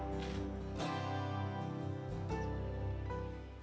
sekarang dia sedang berkembang ke kondisi kesehatan